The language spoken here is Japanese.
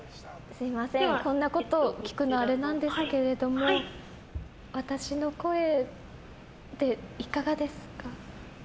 すみません、こんなこと聞くのあれなんですけども私の声っていかがですか？